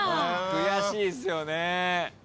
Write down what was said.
悔しいっすよね。